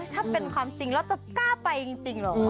ถ้าเป็นความจริงแล้วจะกล้าไปจริงเหรอ